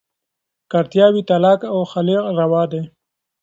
که اړتیا وي، طلاق او خلع روا دي.